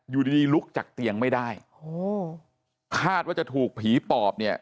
อยู่ดีดีลุกจากเตียงไม่ได้โอ้โหคาดว่าจะถูกผีปอบเนี่ย